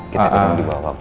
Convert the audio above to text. kita itu dibawah